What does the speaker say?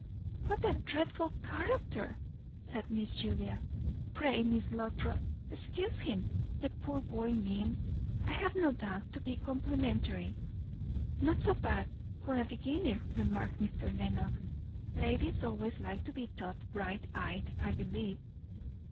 "What a dreadful character!" said Miss Julia. "Pray, Miss Lothrop, excuse him; the poor boy means, I have no doubt, to be complimentary." "Not so bad, for a beginner," remarked Mr. Lenox. "Ladies always like to be thought bright eyed, I believe."